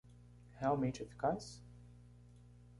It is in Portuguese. Realmente eficaz?